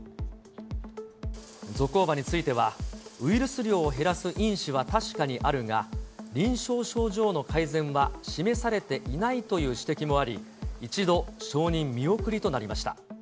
ゾコーバについては、ウイルス量を減らす因子は確かにあるが、臨床症状の改善は示されていないという指摘もあり、一度、承認見送りとなりました。